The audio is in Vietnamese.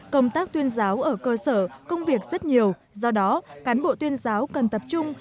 công tác tuyên giáo ở cơ sở công việc rất nhiều do đó cán bộ tuyên giáo cần tập trung